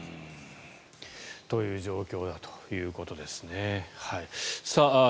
という状況だということですね。